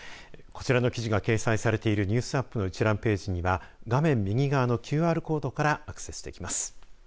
こちらの記事が掲載されているニュースアップの一覧ページには画面右側のＱＲコードからアクセスできます。